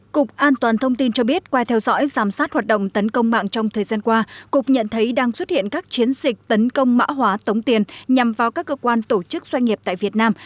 cục an toàn thông tin cho biết qua theo dõi giám sát hoạt động tấn công mạng trong thời gian qua cục nhận thấy đang xuất hiện các chiến dịch tấn công mã hóa tống tiền nhằm vào các cơ quan tổ chức doanh nghiệp tại việt nam